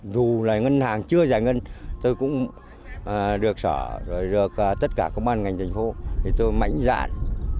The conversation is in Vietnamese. dù là ngân hàng chưa giải ngân tôi cũng được sở rồi được tất cả công an ngành thành phố tôi mạnh dạn